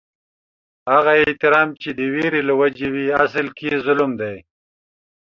هغه احترام چې د وېرې له وجې وي، اصل کې ظلم دي